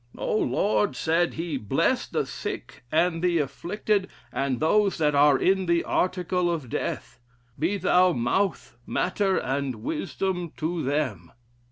'O Lord,' said he, 'bless the sick and the afflicted, and those that are in the article of death; be thou mouth, matter, and wisdom to them.'